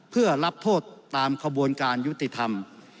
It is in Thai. เพื่อรับโทษตามขบวนการยุติธรรม